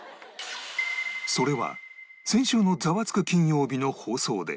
それは先週の『ザワつく！金曜日』の放送で